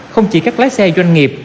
không chỉ các lái xe doanh nghiệp